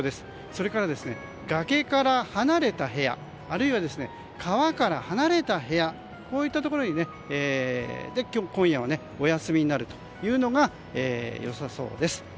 それから崖から離れた部屋あるいは川から離れた部屋といったところに今夜はお休みになるというのが良さそうです。